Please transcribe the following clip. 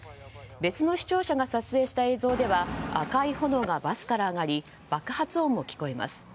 別の視聴者が撮影した映像では赤い炎がバスから上がり爆発音も聞こえます。